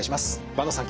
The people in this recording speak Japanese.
板野さん